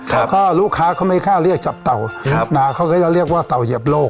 ครับก็ลูกค้าเขาไม่ค่าเรียกจับเต่าครับน่ะเขาก็จะเรียกว่าเกี่ยวโรค